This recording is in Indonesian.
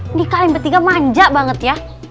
ini kalian bertiga manja banget ya